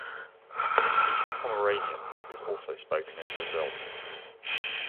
East Pomeranian is also spoken in Brazil.